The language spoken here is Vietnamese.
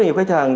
nhiều khách hàng